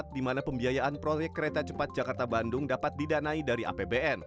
di mana pembiayaan proyek kereta cepat jakarta bandung dapat didanai dari apbn